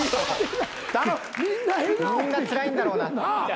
みんなつらいんだろうな。